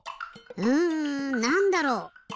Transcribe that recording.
うんなんだろう？